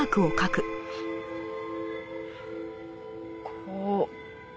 こう。